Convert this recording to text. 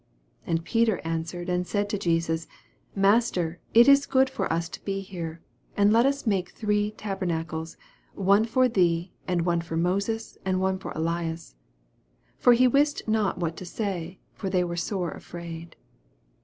5 And Peter answered and said to Jesus, Master, it is good for us to be here : and let us make three taberna cles ; one for thee, and one for Moses, and one for Elias. 6 For he wist not what to say ; for they were sore afraid.